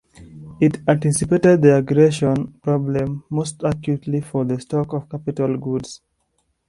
It anticipated the aggregation problem, most acutely for the stock of capital goods.